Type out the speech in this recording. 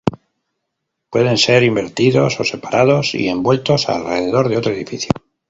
Pueden ser invertidos o separados y envueltos alrededor de otro edificio.